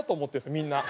みんな。